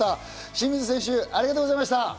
清水選手、ありがとうございました。